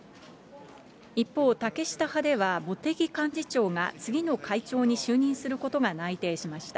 一方、竹下派では茂木幹事長が次の会長に就任することが内定しました。